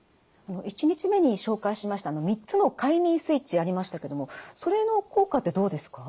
１日目に紹介しました３つの快眠スイッチありましたけどもそれの効果ってどうですか？